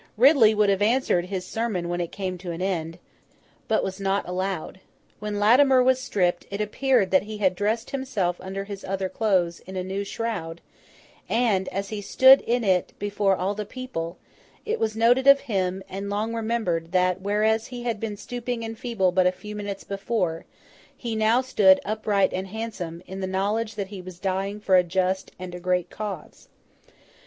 Ridley would have answered his sermon when it came to an end, but was not allowed. When Latimer was stripped, it appeared that he had dressed himself under his other clothes, in a new shroud; and, as he stood in it before all the people, it was noted of him, and long remembered, that, whereas he had been stooping and feeble but a few minutes before, he now stood upright and handsome, in the knowledge that he was dying for a just and a great cause.